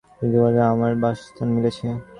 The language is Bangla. তুরীয়ানন্দের ও আমার সুন্দর বাসস্থান মিলেছে।